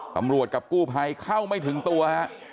ตำรวจกับกู้ไภเข้าไม่ถึงตัวฮะ